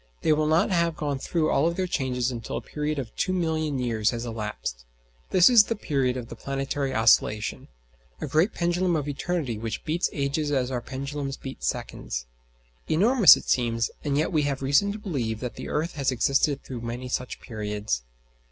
They will not have gone through all their changes until a period of 2,000,000 years has elapsed. This is the period of the planetary oscillation: "a great pendulum of eternity which beats ages as our pendulums beat seconds." Enormous it seems; and yet we have reason to believe that the earth has existed through many such periods.